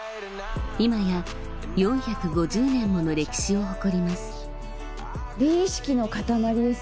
今や４５０年もの歴史を誇ります美意識の塊です。